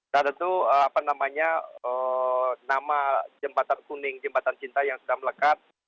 nah tentu apa namanya nama jembatan kuning jembatan cinta yang sudah melekat